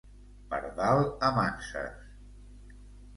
Pardal amb anses.